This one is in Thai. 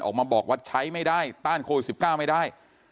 ออกมาบอกว่าใช้ไม่ได้ต้านโควิด๑๙ไม่ได้